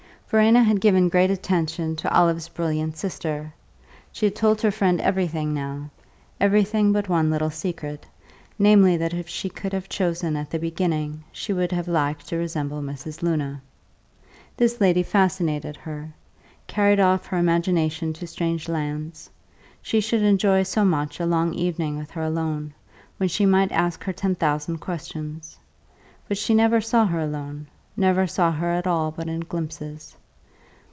Verena had given great attention to Olive's brilliant sister; she had told her friend everything now everything but one little secret, namely, that if she could have chosen at the beginning she would have liked to resemble Mrs. Luna. This lady fascinated her, carried off her imagination to strange lands; she should enjoy so much a long evening with her alone, when she might ask her ten thousand questions. But she never saw her alone, never saw her at all but in glimpses.